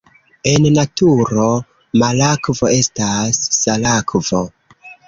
En naturo marakvo estas salakvo.